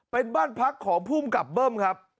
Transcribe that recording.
เป็นบ้านพักของภูมิกับเบิ้มครับ